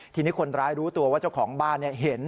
ทีนี้คนร้ายรู้ตัวว่าเจ้าของบ้านเห็น